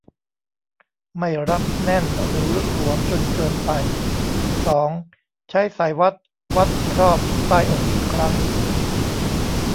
ไม่รัดแน่นหรือหลวมจนเกินไป สอง ใช้สายวัดวัดรอบใต้อกอีกครั้ง